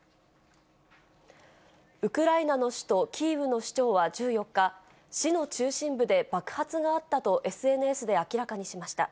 ウクライナの首都キーウの市長は１４日、市の中心部で爆発があったとＳＮＳで明らかにしました。